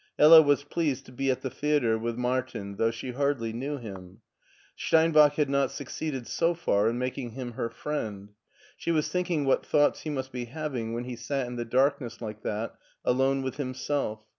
Hella was pleased to be at the theater with Martin, though she hardly knew him. Steinbach had not succeeded so far in making him her friend. She was thinking what thoughts he must be having when he sat in the darkness like that alone with himself.